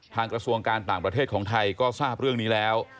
กระทรวงการต่างประเทศของไทยก็ทราบเรื่องนี้แล้ว